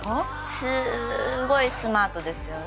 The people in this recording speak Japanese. すごいスマートですよね？